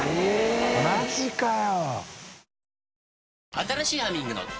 マジかよ。